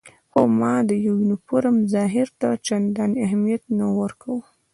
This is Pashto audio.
خو ما د یونیفورم ظاهر ته چندانې اهمیت نه ورکاوه.